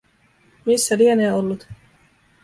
Missä lienee ollut.